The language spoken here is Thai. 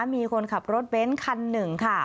มีคนขับรถเบ้นคันหนึ่งค่ะ